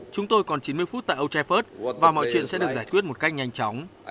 chúng tôi còn chín mươi phút tại ochaifith và mọi chuyện sẽ được giải quyết một cách nhanh chóng